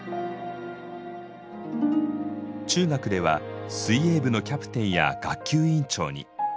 中学では水泳部のキャプテンや学級委員長に。